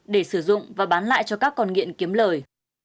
để sử dụng và bán lại cho các con nghiện kiếm lời